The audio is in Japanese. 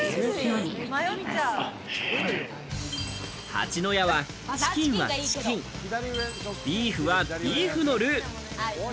蜂の家はチキンはチキン、ビーフはビーフのルー。